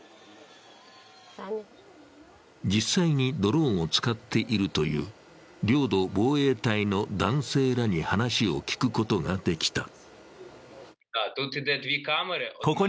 実際にドローンを使っているという領土防衛隊の男性らに話を聞くことができた。